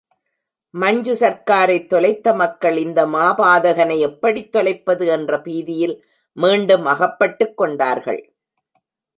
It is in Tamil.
மஞ்சு சர்க்காரைத் தொலைத்த மக்கள் இந்த மாபாதகனை எப்படி தொலைப்பது என்ற பீதியில் மீண்டும் அகப்பட்டுக் கொண்டார்கள்.